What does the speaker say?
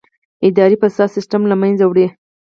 اداري فساد سیستم له منځه وړي.